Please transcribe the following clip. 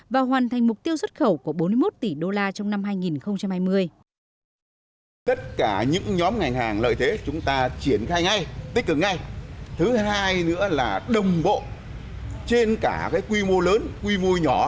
và hoàn thành mục tiêu xuất khẩu của bốn mươi một tỷ đô la trong năm hai nghìn hai mươi